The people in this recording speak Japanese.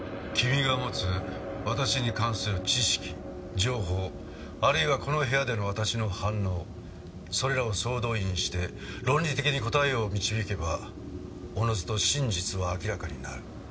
君が持つ私に関する知識情報あるいはこの部屋での私の反応それらを総動員して論理的に答えを導けばおのずと真実は明らかになる。